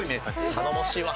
頼もしいわ。